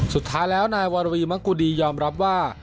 สุดท้ายแล้วนายวรวีมะกุดียอมรับว่า